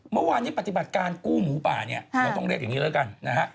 เมื่อวานนี้ปฏิบัติการกู้หมูป่าเนี่ยเราต้องเรียกอย่างนี้แล้วกันนะฮะ